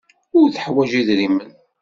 Ur teḥwaj idrimen.